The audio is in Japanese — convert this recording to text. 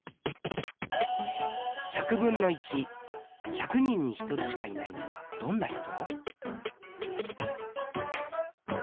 １００人に１人しかいないのはどんな人？